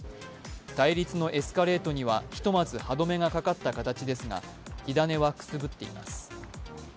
対立のエスカレートにはひとまず歯止めがかかった形ですが、火種はくすぶっています。